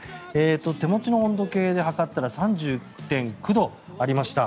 手持ちの温度計で測ったら３０．９度ありました。